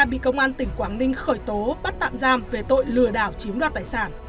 bị công an tỉnh quảng ninh khởi tố bắt tạm giam về tội lừa đảo chiếm đoạt tài sản